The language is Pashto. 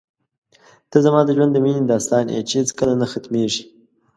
ته زما د ژوند د مینې داستان یې چې هېڅکله نه ختمېږي.